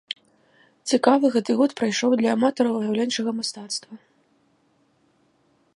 Цікава гэты год прайшоў для аматараў выяўленчага мастацтва.